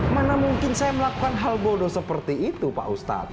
mana mungkin saya melakukan hal bodoh seperti itu pak ustadz